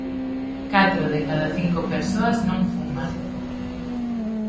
Catro de cada cinco persoas non fuma.